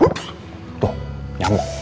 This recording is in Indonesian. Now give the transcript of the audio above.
ups tuh nyamuk